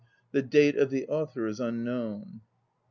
The date of the author is unknown.